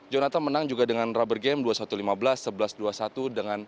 jonathan menang juga dengan rubber game dua puluh satu lima belas sebelas dua puluh satu